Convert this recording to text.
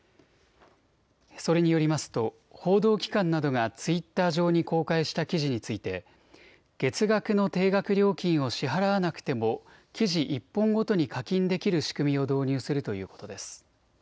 それによりますと報道機関などがツイッター上に公開した記事について月額の定額料金を支払わなくても記事１本ごとに課金できる仕組みを導入するということです。